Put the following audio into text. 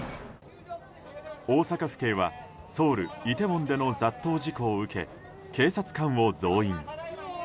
大阪府警はソウル・イテウォンでの雑踏事故を受け警察官を増員。